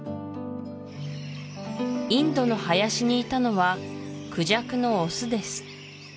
インドの林にいたのはクジャクのオスです